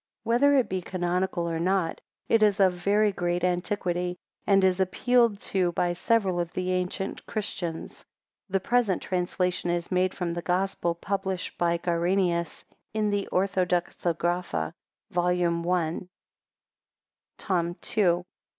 Whether it be canonical or not, it is of very great antiquity, and is appealed to by several of the ancient Christians. The present translation is made from the Gospel, published by Grynaeus in the Orthodoxographa, vol. i, tom, ii, p.